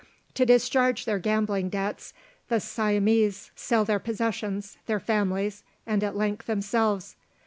To discharge their gambling debts, the Siamese sell their possessions, their families, and at length themselves.